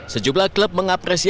sejumlah klub mengapresiasi